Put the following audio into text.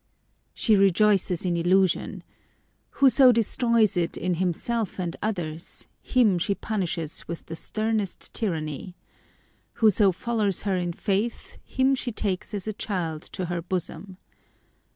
She rejoices in illusion. Whoso destroys it in him self and others, him she punishes with the sternest tyranny. Whoso follows her in faith, him she takes as a child to her bosom.